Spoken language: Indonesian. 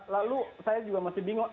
lalu saya juga masih bingung